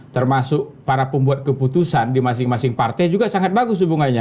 termasuk para pembuat keputusan di masing masing partai juga sangat bagus hubungannya